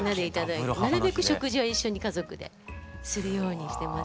なるべく食事は一緒に家族でするようにしてます。